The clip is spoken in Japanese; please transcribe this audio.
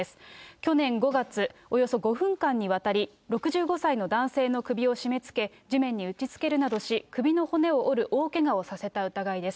去年５月、およそ５分間にわたり、６５歳の男性の首を絞めつけ、地面に打ちつけるなどし、首の骨を折る大けがをさせた疑いです。